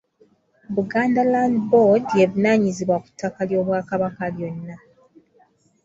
Buganda Land Board y'evunaanyizibwa ku ttaka ly'Obwakabaka lyonna.